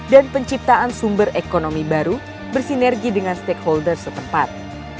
dan penciptaan sumber ekonomi baru bersinergi dengan stakeholder setempat